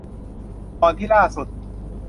ก่อนที่ล่าสุด